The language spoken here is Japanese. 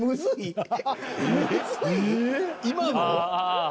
今の？